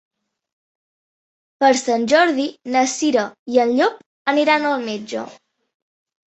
Per Sant Jordi na Cira i en Llop aniran al metge.